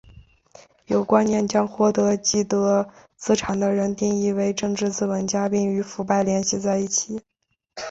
有观念将获得既得资产的人定义为政治资本家并与腐败联系在一起。